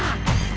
aku mau lihat